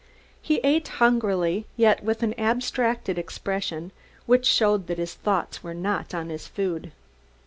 He ate hungrily, yet with an abstracted expression, which showed that his thoughts were not on his food.